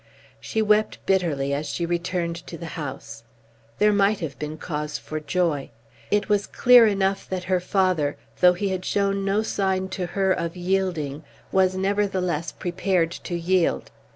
She wept bitterly as she returned to the house. There might have been cause for joy. It was clear enough that her father, though he had shown no sign to her of yielding, was nevertheless prepared to yield.